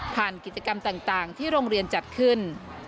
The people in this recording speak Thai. กิจกรรมต่างที่โรงเรียนจัดขึ้น